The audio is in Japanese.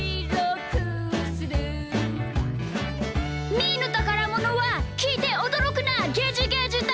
「みーのたからものはきいておどろくなゲジゲジだ！」